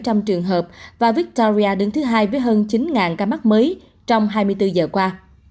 trong trường hợp và victoria đứng thứ hai với hơn chín ca mắc mới trong hai mươi bốn giờ qua